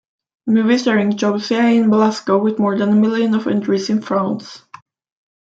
Movies starring Josiane Balasko with more than a million of entries in France.